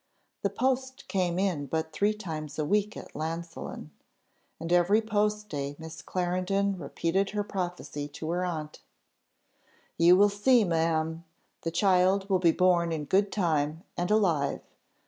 The post came in but three times a week at Llansillen, and every post day Miss Clarendon repeated her prophecy to her aunt, "You will see, ma'am, the child will be born in good time, and alive.